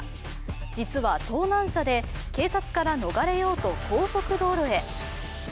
実は盗難車で、警察から逃れようと高速道路へ。